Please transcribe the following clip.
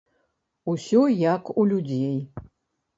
Усё як у людзей!